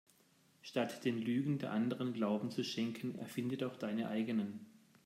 Statt den Lügen der Anderen Glauben zu schenken erfinde doch deine eigenen.